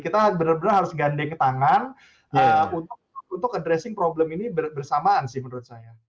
kita benar benar harus gandeng tangan untuk addressing problem ini bersamaan sih menurut saya